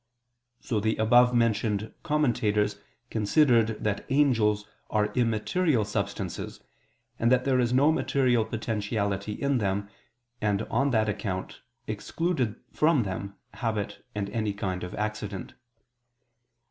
So the above mentioned commentators considered that angels are immaterial substances, and that there is no material potentiality in them, and on that account, excluded from them habit and any kind of accident.